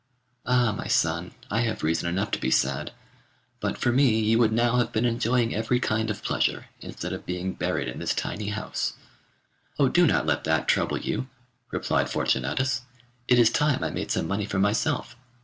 'Ah, my son, I have reason enough to be sad; but for me you would now have been enjoying every kind of pleasure, instead of being buried in this tiny house.' 'Oh, do not let that trouble you,' replied Fortunatus, 'it is time I made some money for myself.